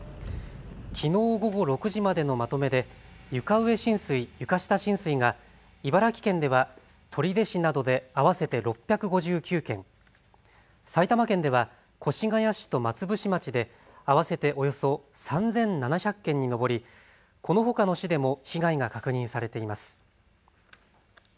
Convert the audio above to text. きのう午後６時までのまとめで床上浸水、床下浸水が茨城県では取手市などで合わせて６５９件、埼玉県では越谷市と松伏町で合わせておよそ３７００件に上りこのほかの市でも被害が確認されています。